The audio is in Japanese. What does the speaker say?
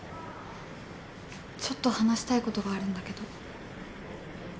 ちょっと話したいことがあるんだけど。